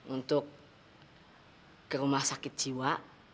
untuk ke rumah sakit jiwa